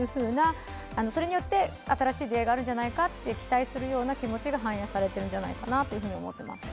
それによって新しい出会いがあるんじゃないかと期待するような気持ちが反映されていると思います。